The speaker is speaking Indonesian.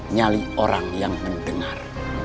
nyali orang yang mendengar